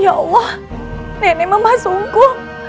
ya allah nenek memasukku